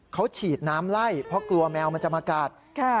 เขาฉีดน้ำไล่เพราะกลัวแมวมันจะมากัด